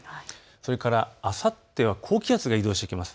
それからあさっては高気圧が移動してきます。